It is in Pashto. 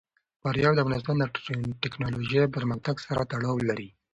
فاریاب د افغانستان د تکنالوژۍ پرمختګ سره تړاو لري.